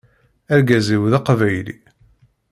Argaz-iw d aqbayli.